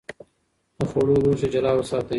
د خوړو لوښي جلا وساتئ.